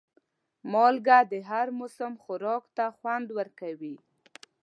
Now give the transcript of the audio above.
مالګه د هر موسم خوراک ته خوند ورکوي.